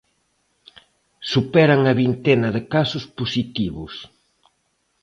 Superan a vintena de casos positivos.